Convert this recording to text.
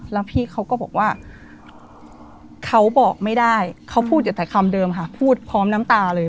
แล้วพี่เขาก็บอกว่าเขาบอกไม่ได้เขาพูดอยู่แต่คำเดิมค่ะพูดพร้อมน้ำตาเลย